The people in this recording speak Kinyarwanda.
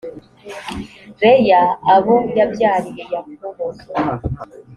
leya abo yabyariye yakobo